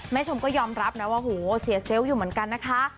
ชมก็ยอมรับนะว่าโหเสียเซลล์อยู่เหมือนกันนะคะ